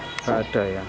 gak ada ya